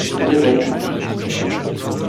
Bitte wenden Sie.